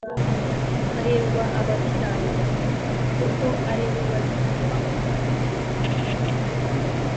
Hahirwa abakiranura kuko ari bo bazitwa abana b'Imana